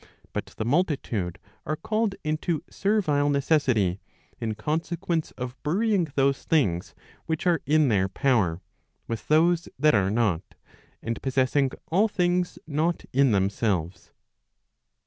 But the multitude are called into servile necessity, in consequence of burying those things which are in their power, with those that are not, and possessing all things not in themselves.